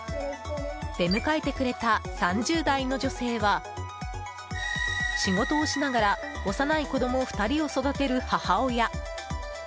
出迎えてくれた３０代の女性は仕事をしながら幼い子供２人を育てる母親。